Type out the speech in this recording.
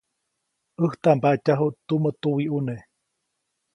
ʼÄjtaʼm mbatyajuʼt tumä tuwiʼuneʼ.